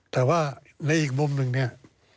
แต่ว่าในอีกมุมหนึ่งเนี่ย